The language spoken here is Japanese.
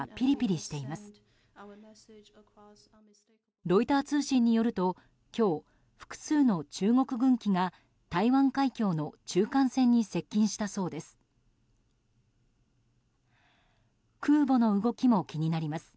ロイター通信によると今日、複数の中国軍機が台湾海峡の中間線に接近したそうです。